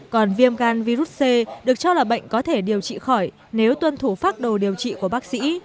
còn viêm gan virus c được cho là bệnh có thể điều trị khỏi nếu tuân thủ phác đồ điều trị của bác sĩ